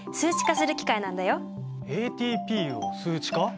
ＡＴＰを数値化？